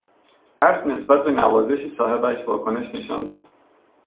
اسب نسبت به نوازش صاحبش واکنش نشان داد.